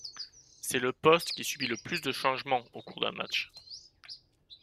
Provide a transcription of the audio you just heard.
C'est le poste qui subit le plus de changements au cours d'un match.